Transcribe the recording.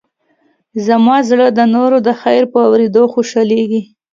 زما زړه د نورو د خیر په اورېدو خوشحالېږي.